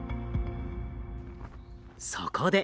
そこで。